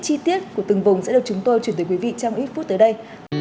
chi tiết của từng vùng sẽ được chúng tôi chuyển tới quý vị trong ít phút tới đây